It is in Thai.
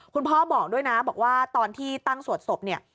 พ่อบอกด้วยนะบอกว่าตอนที่ตั้งสวดศพเนี่ย